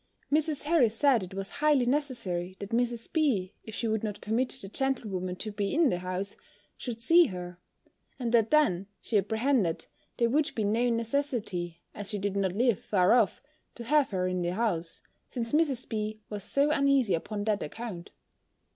Mrs. Harris said it was highly necessary that Mrs. B. if she would not permit the gentlewoman to be in the house, should see her; and that then, she apprehended, there would be no necessity, as she did not live far off, to have her in the house, since Mrs. B. was so uneasy upon that account.